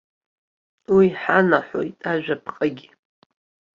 Уи иҳанаҳәоит ажәаԥҟагьы.